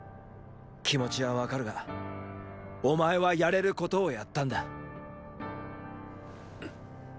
気持ちは分かるがお前はやれることをやったんだ。